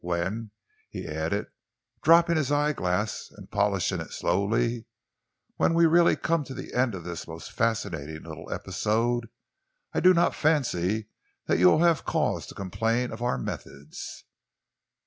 When," he added, dropping his eyeglass and polishing it slowly, "when we really come to the end of this most fascinating little episode, I do not fancy that you will have cause to complain of our methods."